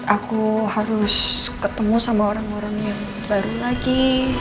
aku harus ketemu sama orang orang yang baru lagi